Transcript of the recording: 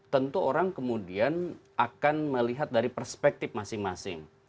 tentu orang kemudian akan melihat dari perspektif masing masing